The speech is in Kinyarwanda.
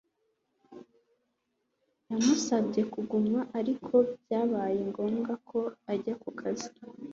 yamusabye kuguma, ariko byabaye ngombwa ko ajya ku kazi